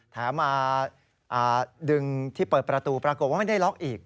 แถมมาดึงที่เปิดประตูปรากฏว่าไม่ได้ล็อกอีก